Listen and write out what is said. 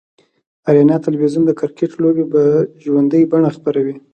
آریانا تلویزیون دکرکټ لوبې به ژوندۍ بڼه خپروي